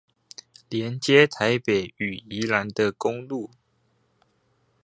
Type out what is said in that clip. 連接臺北與宜蘭的公路